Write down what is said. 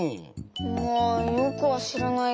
まあよくはしらないけど。